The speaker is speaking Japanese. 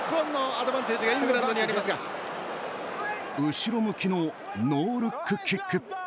後ろ向きのノールックキック。